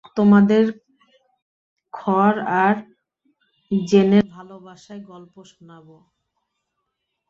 তোমাদের থর আর জেনের ভালোবাসার গল্প শোনাবো।